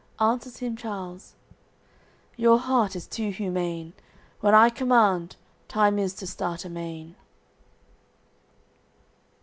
Answers him Charles: "Your heart is too humane. When I command, time is to start amain."